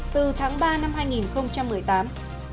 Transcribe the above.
từ tháng ba năm hai nghìn một mươi tám